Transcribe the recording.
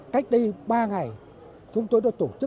cách đây ba ngày chúng tôi đã tổ chức thành công